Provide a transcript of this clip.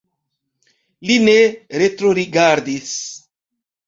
Li ne retrorigardis.